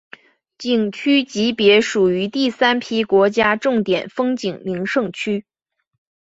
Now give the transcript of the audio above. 景区级别属于第三批国家重点风景名胜区。